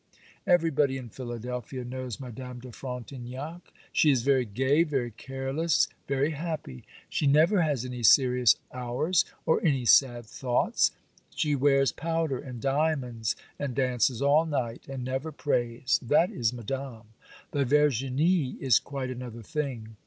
Everybody in Philadelphia knows Madame de Frontignac; she is very gay, very careless, very happy; she never has any serious hours, or any sad thoughts; she wears powder and diamonds, and dances all night, and never prays—that is Madame. But Verginie is quite another thing.